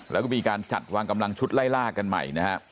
แล้วก็มีการจัดวางกำลังชุดไล่ล่ากันใหม่นะครับ